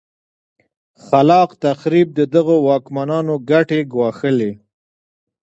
خلا ق تخریب د دغو واکمنانو ګټې ګواښلې.